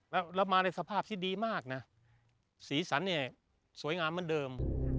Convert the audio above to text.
แล้วเรามาในสภาพที่ดีมากนะสีสันเนี่ยสวยงามเหมือนเดิม